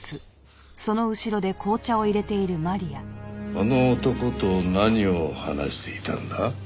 あの男と何を話していたんだ？